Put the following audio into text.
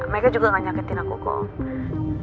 mereka juga gak nyakitin aku kok